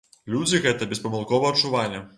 Людзі гэта беспамылкова адчувалі.